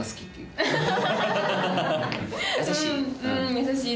優しい。